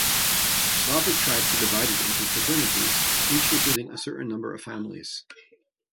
Slavic tribes were divided into fraternities, each including a certain number of families.